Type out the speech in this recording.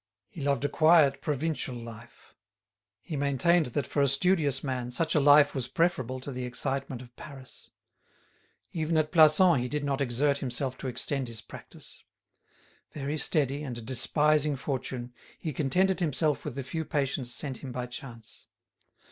He loved a quiet provincial life; he maintained that for a studious man such a life was preferable to the excitement of Paris. Even at Plassans he did not exert himself to extend his practice. Very steady, and despising fortune, he contented himself with the few patients sent him by chance.